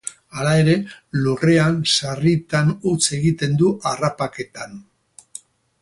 Hala ere, lurrean sarritan huts egiten du harrapaketan.